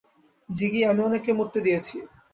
জিগি, আমি অনেককে মরতে দিয়েছি।